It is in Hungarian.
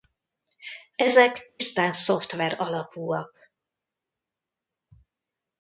Ezek tisztán szoftver alapúak.